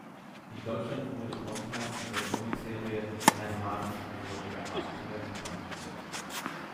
In Deutschland wurde Trondheim mit der Comicserie "Herrn Hases haarsträubende Abenteuer" bekannt.